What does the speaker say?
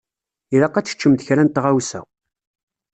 Ilaq ad teččemt kra n tɣawsa.